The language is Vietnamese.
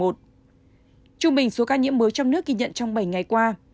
trung bình số ca nhiễm mới trong nước ghi nhận trong bảy ngày qua